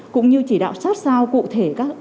cũng như chỉ đạo sát sao cụ thể